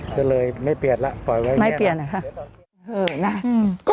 ก็เลยไม่เปลี่ยนล่ะ